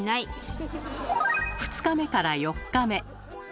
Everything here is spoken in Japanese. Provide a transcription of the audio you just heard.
２日目から４日目。